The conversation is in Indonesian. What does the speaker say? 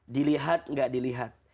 dilihat gak dilihat